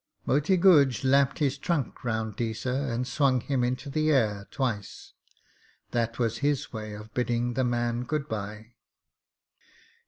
Moti Guj lapped his trunk round Deesa and swung him into the air twice. That was his way of bidding the man good bye.